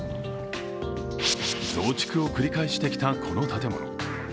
増築を繰り返してきたこの建物。